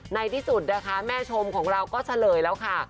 ในที่สุดนะคะแม่ชมของเราก็เฉลยแล้วค่ะ